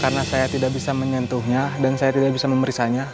karena saya tidak bisa menyentuhnya dan saya tidak bisa memerisanya